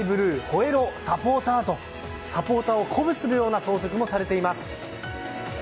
サポーター！とサポーターを鼓舞するような装飾もされています。